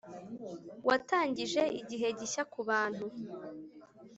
watangije igihe gishya ku bantu.